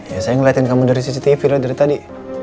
ya saya ngeliatin kamu dari cctv loh dari tadi